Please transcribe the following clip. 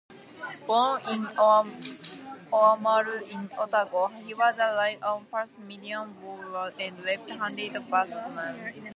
Born in Oamaru in Otago, he was a right-arm fast-medium bowler and left-handed batsman.